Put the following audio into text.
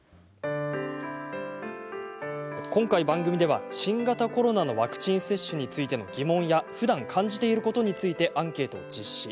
今回、番組では新型コロナのワクチン接種についての疑問やふだん感じていることについてアンケートを実施。